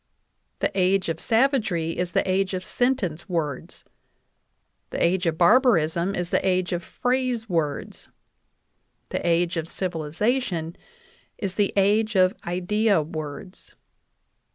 The age of savagery is the age of sentence words ; the age of barbarism is the age of phrase words ; the age of civilization the age of idea words.